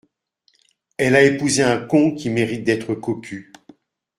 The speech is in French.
Elle a épousé un con qui mérite d’être cocu.